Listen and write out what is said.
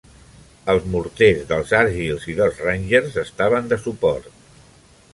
Els morters dels Argylls i dels Rangers estaven de suport.